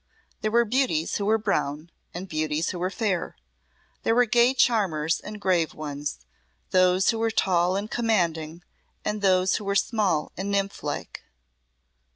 There were beauties who were brown, and beauties who were fair; there were gay charmers and grave ones, those who were tall and commanding, and those who were small and nymph like.